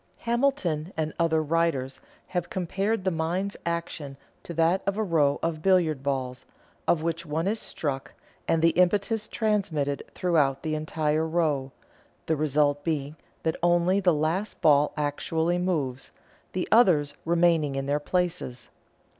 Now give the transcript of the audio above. Hamilton and other writers have compared the mind's action to that of a row of billiard balls, of which one is struck and the impetus transmitted throughout the entire row, the result being that only the last ball actually moves, the others remaining in their places.